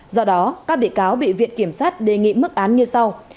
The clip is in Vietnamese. do đó các bị cáo bị viện kiểm sát đề nghị mức án như sau